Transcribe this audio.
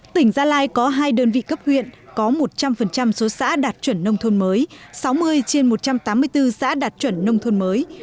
tỉnh gia lai có hai đơn vị cấp huyện có một trăm linh số xã đạt chuẩn nông thôn mới sáu mươi trên một trăm tám mươi bốn xã đạt chuẩn nông thôn mới